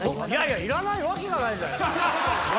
いらないわけがないじゃない！